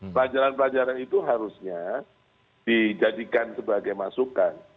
pelajaran pelajaran itu harusnya dijadikan sebagai masukan